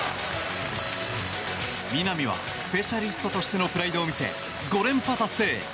南はスペシャリストとしてのプライドを見せ、５連覇達成。